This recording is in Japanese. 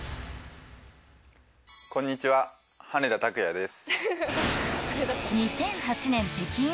こんにちは羽根田卓也です。